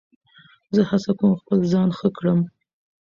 زه هڅه کوم خپل ځان ښه کړم.